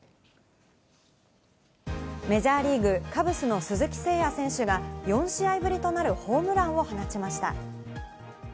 メジャーリーグ、カブスの鈴木誠也選手が４試合ぶりとなるホームランを放ちました。